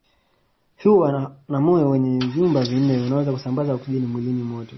Huwa na moyo wenye vyumba vinne unaoweza kusambaza oksijeni mwilini mote